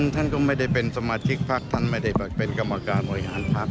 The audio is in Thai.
ท่านก็ไม่ได้เป็นสมาชิกพักท่านไม่ได้เป็นกรรมการบริหารพัก